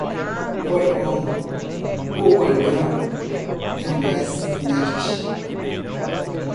O árgon ou argão é um gás inerte.